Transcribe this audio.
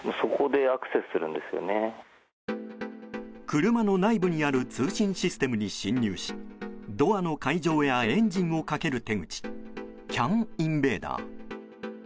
車の内部にある通信システムに侵入しドアの解錠やエンジンをかける手口ＣＡＮインベーダー。